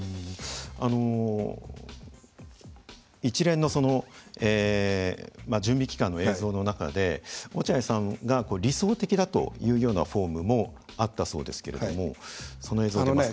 あの一連の準備期間の映像の中で落合さんが理想的だというようなフォームもあったそうですけれどもその映像出ますかね？